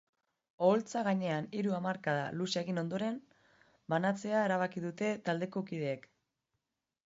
Oholtza gainean hiru hamarkada luze egin ondoren, banantzea erabaki dute taldeko kideek.